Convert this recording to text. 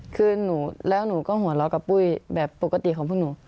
คือแล้วหนูก็หัวเราะกับปุ้ยแบบปกติของพวกหนู